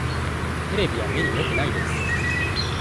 テレビは目によくないです。